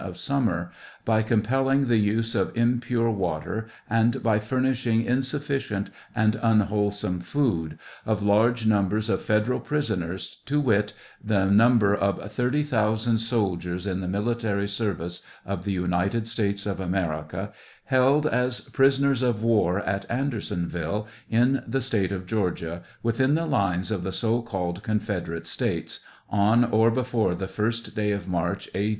of summer, bycompelling the use of impure water and by furnish ing insufficient and unwholesome food, of large numbers of federal prisoners, to wit, the number of thirty thousand, soldiers in the military service of the United States of America, held as prisoners of war at Andersonville, in the State of Georgia, within the lines of the so called Confederate States, on or before the first day of March, A.